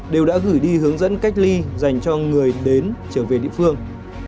đều đã gửi đi hướng dẫn cách ly dành cho người đến trở về địa phương